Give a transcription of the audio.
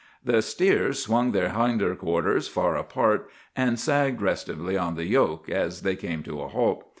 "The steers swung their hindquarters far apart, and sagged restively on the yoke, as they came to a halt.